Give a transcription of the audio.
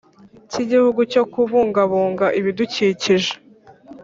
cy Igihugu cyo Kubungabunga Ibidukikije